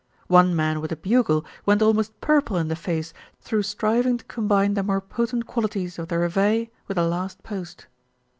One man with a bugle went almost purple in the face through striving to combine the more potent qualities of the Reveille with the Last Post.